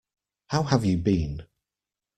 How have you been?